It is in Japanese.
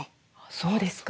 そうですか。